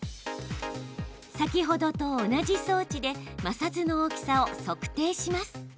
先ほどと同じ装置で摩擦の大きさを測定します。